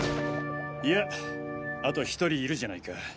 いやあと１人いるじゃないか。